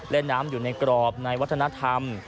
เล่นน้ำอยู่ในกรอบในวัฒนธรรม